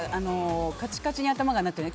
カチカチに頭がなってね。